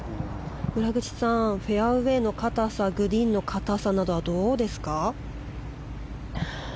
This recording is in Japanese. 村口さんフェアウェーの硬さグリーンの硬さなどはどうですか？